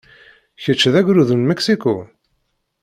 Kečč d agrud n Mexico?